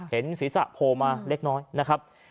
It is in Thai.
เห็นศีรษะโพลมาเล็กน้อยนะครับ